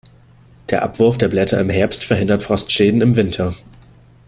Der Abwurf der Blätter im Herbst verhindert Frostschäden im Winter.